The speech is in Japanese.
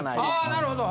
あなるほど。